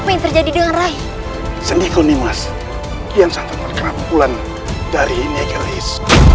apa yang terjadi dengan rai sendikoni mas kian santan terkerap bulan dari negeris